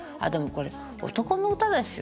これ男の歌ですよ」と。